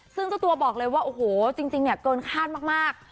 ซึ่งตัวบอกเลยว่าโอ้โหจริงเกินคาดมาก